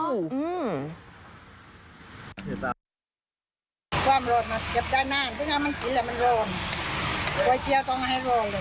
หรือค่ะ